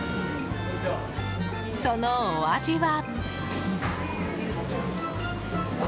そのお味は。